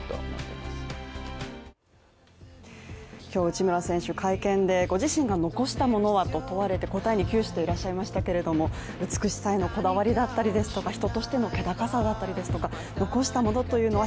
今日、内村選手会見でご自身が残したものはと問われて答えに窮していらっしゃいましたけれども、美しさへのこだわりだったりですとか